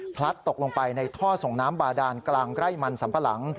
ตกลงไปในท่อส่งน้ำบาดานกลางไร่มันสัมปะหลัง